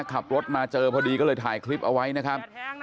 ขับรถมาเจอพอดีก็เลยถ่ายคลิปเอาไว้นะครับ